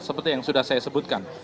seperti yang sudah saya sebutkan